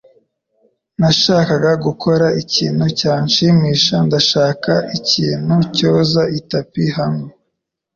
Nashakaga gukora ikintu cyashimisha Ndashaka ikintu cyoza itapi hamwe.